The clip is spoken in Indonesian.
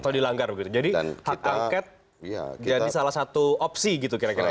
atau dilanggar begitu jadi hak angket jadi salah satu opsi gitu kira kira ya